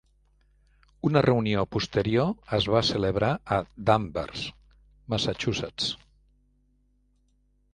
Una reunió posterior es va celebrar a Danvers, Massachusetts.